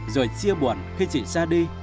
rồi chia buồn khi chị ra đi